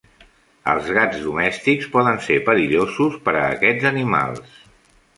Els gats domèstics poden ser perillosos per a aquests animals.